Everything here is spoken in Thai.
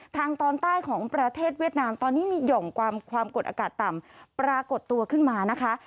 ทางตอนใต้ของประเทศเวียดนามตอนนี้มีห่อมความกดอากาศต่ำปรากฏตัวขึ้นมานะคะ